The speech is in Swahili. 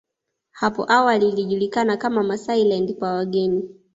Hapo awali ilijulikana kama Maasailand kwa wageni